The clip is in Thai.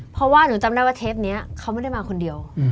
เพราะว่าหนูจำได้ว่าเทปนี้เขาไม่ได้มาคนเดียว